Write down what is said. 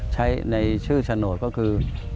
ใช้ในชื่อโฉนดก็คือ